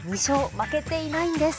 負けていないんです。